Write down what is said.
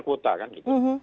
pembatasan kuota kan gitu